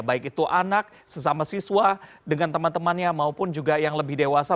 baik itu anak sesama siswa dengan teman temannya maupun juga yang lebih dewasa